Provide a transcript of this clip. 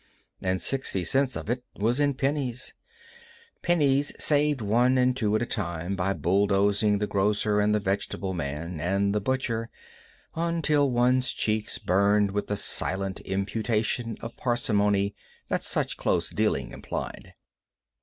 And sixty cents of it was in pennies. Pennies saved one and two at a time by bulldozing the grocer and the vegetable man and the butcher until one's cheeks burned with the silent imputation of parsimony that such close dealing implied.